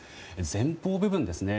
前方部分ですね。